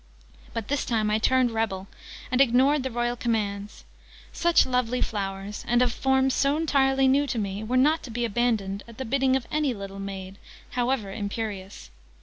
But this time I turned rebel, and ignored the royal commands. Such lovely flowers, and of forms so entirely new to me, were not to be abandoned at the bidding of any little maid, however imperious.